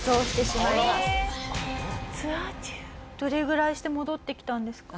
どれぐらいして戻ってきたんですか？